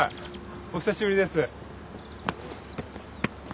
お久しぶりです。